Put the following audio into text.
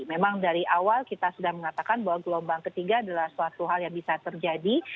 memang dari awal kita sudah mengatakan bahwa gelombang ketiga adalah suatu hal yang bisa terjadi